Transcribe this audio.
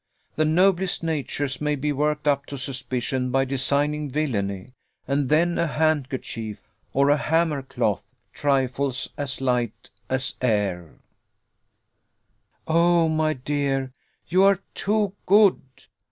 The noblest natures may be worked up to suspicion by designing villany; and then a handkerchief, or a hammercloth, 'trifles as light as air' " "Oh, my dear, you are too good.